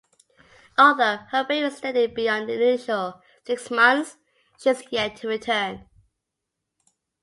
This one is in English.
Although her break was extended beyond the initial six-months, she is yet to return.